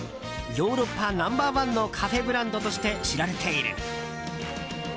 ヨーロッパナンバー１のカフェブランドとして知られている。